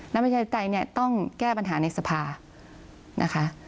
น้ำมือชาติไตต้องแก้ปัญหาในสภานะคะ